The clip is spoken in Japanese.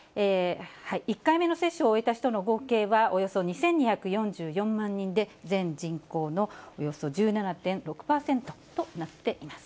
１回目の接種を終えた人の合計は、およそ２２４４万人で、全人口のおよそ１７．６％となっています。